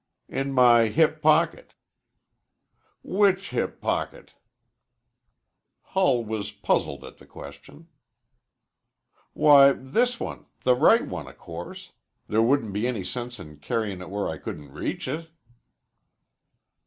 "In my hip pocket." "Which hip pocket?" Hull was puzzled at the question. "Why, this one the right one, o' course. There wouldn't be any sense in carryin' it where I couldn't reach it."